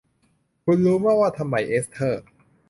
คุณรู้ไหมว่าทำไม เอสเธอร์